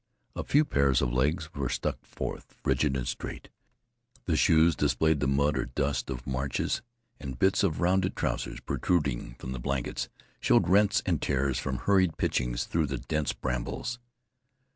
A few pairs of legs were stuck forth, rigid and straight. The shoes displayed the mud or dust of marches and bits of rounded trousers, protruding from the blankets, showed rents and tears from hurried pitchings through the dense brambles.